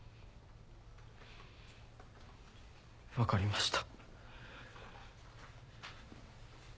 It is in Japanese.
分かりました。